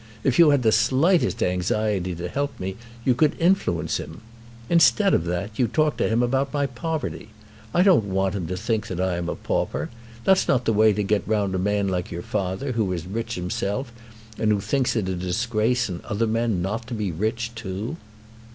If you had the slightest anxiety to help me you could influence him. Instead of that you talk to him about my poverty. I don't want him to think that I am a pauper. That's not the way to get round a man like your father, who is rich himself and who thinks it a disgrace in other men not to be rich too."